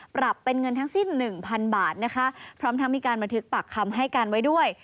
ปรับเป็นเงินทั้งสิ้น๑๐๐๐บาทพร้อมทั้งมีการบันทึกปักคำให้กันไว้ด้วย